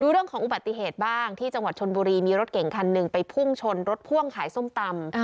เรื่องของอุบัติเหตุบ้างที่จังหวัดชนบุรีมีรถเก่งคันหนึ่งไปพุ่งชนรถพ่วงขายส้มตำ